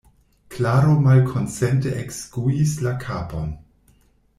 Klaro malkonsente ekskuis la kapon.